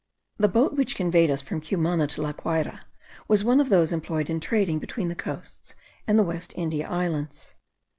The boat which conveyed us from Cumana to La Guayra, was one of those employed in trading between the coasts and the West India Islands.